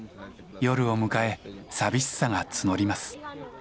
夜を迎え寂しさが募ります。